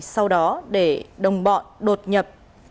sau đó để đồng bọn đột nhập